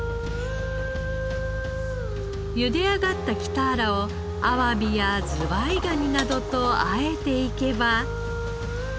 ゆで上がったキターラをアワビやズワイガニなどと和えていけば。